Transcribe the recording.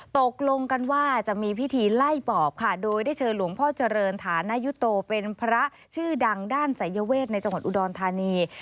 ตกลงกันว่าจะมีพิธีไล่ปอบค่ะโดยได้เชิญหลวงพ่อเจริญฐานยุโตเป็นพระชื่อดังด้านศัยเวศในจังหวัดอุดรธานี